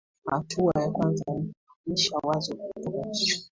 hatua ya kwanza ni kuhamisha wazo kutoka kichwa